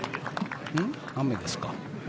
雨ですか？